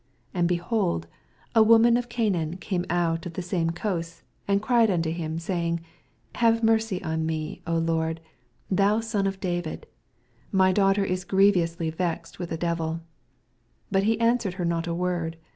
22 And, behold, a woman of Caanan «ame out of the same ooasts, and cried onto him, sayinff. Have merc^onme, O Lord, tJum Son of David ; my dsuffhter is grievously vexed with a devu. 23 But he answered her not a word.